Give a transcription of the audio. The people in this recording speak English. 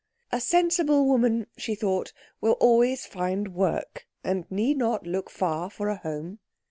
A sensible woman, she thought, will always find work, and need not look far for a home.